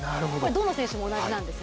どの選手も同じなんです。